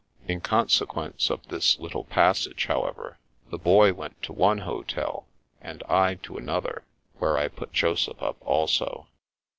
In consequence of this little passage, how ever, the Boy went to one hotel, and I to another, where I put Joseph up also.